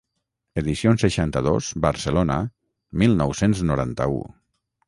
Edicions seixanta-dos, Barcelona, mil nou-cents noranta-u.